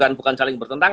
ada beberapa pilihan